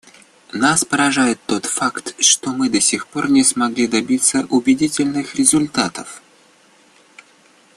Нас поражает тот факт, что мы до сих пор не смогли добиться убедительных результатов.